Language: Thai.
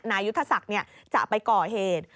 ยุทธศักดิ์จะไปก่อเหตุ